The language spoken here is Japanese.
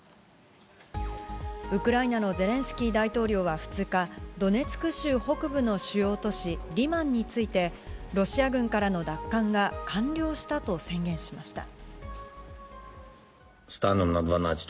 ウクライナのゼレンスキー大統領は２日、ドネツク州北部の主要都市リマンについて、ロシア軍からの奪還が完了したと宣言しました。